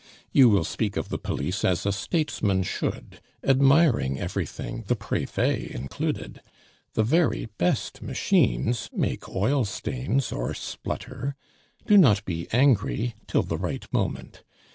You will speak of the police as a statesman should, admiring everything, the Prefet included. The very best machines make oil stains or splutter. Do not be angry till the right moment.